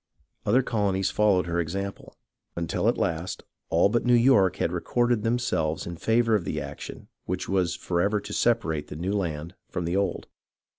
Other colonies followed her example, until at last all but New York had recorded themselves in favour of the action which was forever to separate the new land from the old.